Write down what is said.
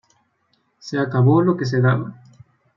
Se acabó lo que se daba.